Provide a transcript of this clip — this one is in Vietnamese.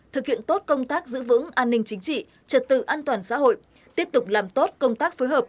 thực hiện tốt công tác giữ vững an ninh chính trị trật tự an toàn xã hội tiếp tục làm tốt công tác phối hợp